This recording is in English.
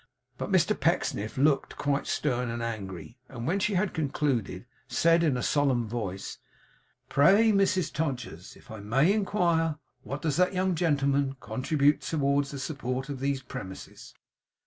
But Mr Pecksniff looked quite stern and angry; and when she had concluded, said in a solemn voice: 'Pray, Mrs Todgers, if I may inquire, what does that young gentleman contribute towards the support of these premises?